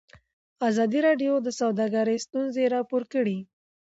ازادي راډیو د سوداګري ستونزې راپور کړي.